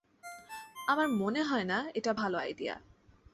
আমার মনে হয় না এটা ভালো আইডিয়া।